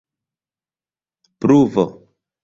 pluvo